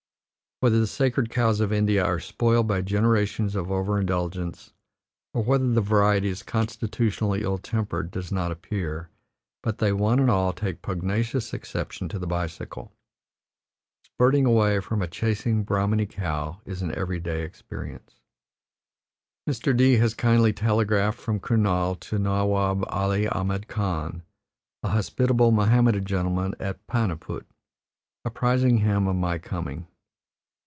Whether the sacred cows of India are spoiled by generations of overindulgence, or whether the variety is constitutionally evil tempered does not appear, but they one and all take pugnacious exception to the bicycle. Spurting away from a chasing Brahmani cow is an every day experience. Mr. D has kindly telegraphed from Kurnaul to Nawab Ali Ahmed Khan, a hospitable Mohammedan gentleman at Paniput, apprising him of my coming.